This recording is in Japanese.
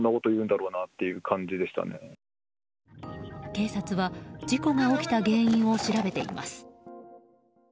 警察は事故が起きた原因を調べています。